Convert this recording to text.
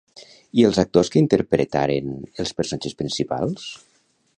I els actors que interpretaren els personatges principals?